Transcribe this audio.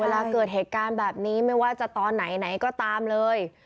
เวลาเกิดเหตุการณ์แบบนี้ไม่ว่าจะตอนไหนไหนก็ตามเลย